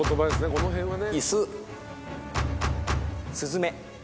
この辺はね。